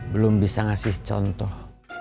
belum bisa ngasih contoh